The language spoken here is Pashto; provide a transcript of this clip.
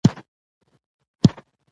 دوهم څارن د سرتیرو د پرمختګ پر څار دقت کوي.